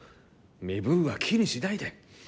身分は気にしないで。